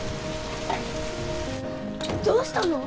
どうしたの？